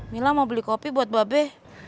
mila mau beli kopi buat babe